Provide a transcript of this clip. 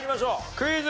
クイズ。